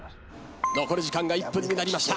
残り時間が１分になりました。